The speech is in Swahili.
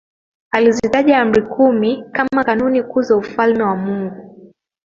alizitaja Amri kumi kama kanuni kuu za Ufalme wa Mungu